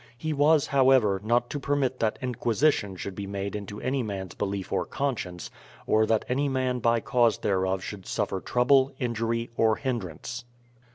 He was, however, not to permit that inquisition should be made into any man's belief or conscience, or that any man by cause thereof should suffer trouble, injury, or hindrance.